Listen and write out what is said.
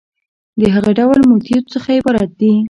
د هغه ډول ميتود څخه عبارت دي